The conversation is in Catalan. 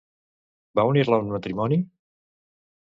Va unir-la en matrimoni?